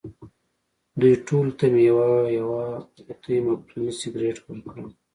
دوی ټولو ته مې یوه یوه قوطۍ مقدوني سګرېټ ورکړل.